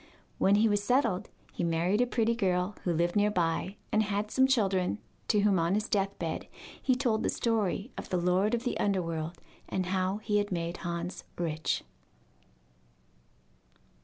When he was settled, he married a pretty girl who lived near by, and had some children, to whom on his death bed he told the story of the lord of the underworld, and how he had made Hans rich.